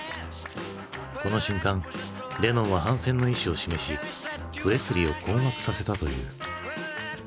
この瞬間レノンは反戦の意思を示しプレスリーを困惑させたという。